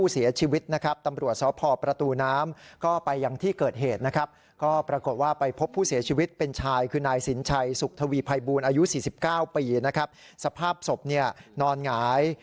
สุขทวีภัยบูรณ์อายุ๔๙ปีนะครับสภาพศพเนี่ยนอนหงาย